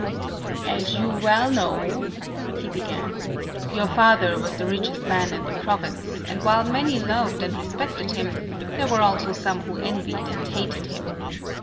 "As you well know," he began, "your father was the richest man in the province, and while many loved and respected him, there were also some who envied and hated him.